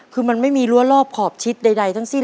คือมันไม่มีรั้วรอบขอบชิดใดทั้งสิ้น